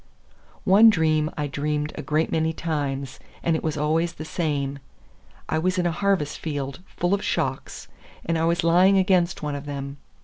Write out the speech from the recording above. One dream I dreamed a great many times, and it was always the same. I was in a harvest field full of shocks, and I was lying against one of them.